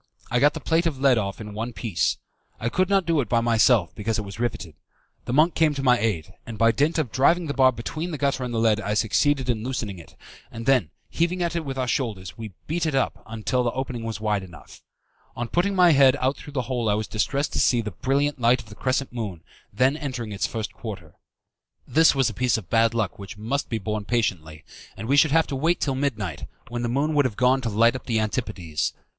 I got the plate of lead off in one piece. I could not do it by myself, because it was riveted. The monk came to my aid, and by dint of driving the bar between the gutter and the lead I succeeded in loosening it, and then, heaving at it with our shoulders, we beat it up till the opening was wide enough. On putting my head out through the hole I was distressed to see the brilliant light of the crescent moon then entering in its first quarter. This was a piece of bad luck which must be borne patiently, and we should have to wait till midnight, when the moon would have gone to light up the Antipodes.